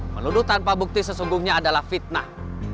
menuduh tanpa bukti sesungguhnya adalah fitnah